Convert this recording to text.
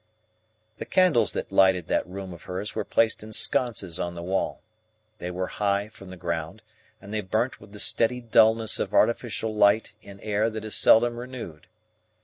The candles that lighted that room of hers were placed in sconces on the wall. They were high from the ground, and they burnt with the steady dulness of artificial light in air that is seldom renewed.